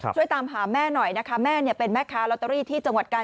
ช่วยตามหาแม่หน่อยนะคะแม่เป็นแม่ค้าลอตเตอรี่ที่จังหวัดกาล